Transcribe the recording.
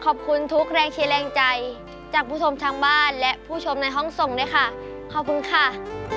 ขอบคุณทุกแรงเชียร์แรงใจจากผู้ชมทางบ้านและผู้ชมในห้องส่งด้วยค่ะขอบคุณค่ะ